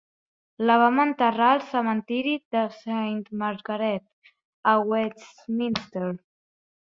La van enterrar al cementiri de Saint Margaret, a Westminster.